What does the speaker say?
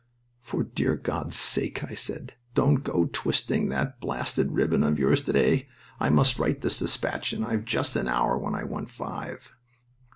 "For dear God's sake," I said, "don't go twisting that blasted ribbon of yours to day. I must write this despatch, and I've just an hour when I want five."